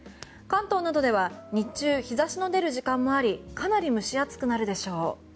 関東などでは日中、日差しの出る時間もありかなり蒸し暑くなるでしょう。